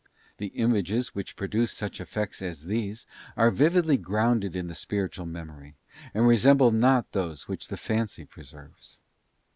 The images which produce such effects as these are vividly grounded in the spiritual memory, and resemble not those which the fancy preserves.